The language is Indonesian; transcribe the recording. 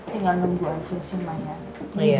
tinggal nunggu aja sih maya